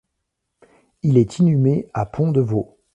Il est inhumé à Pont-de-Vaux.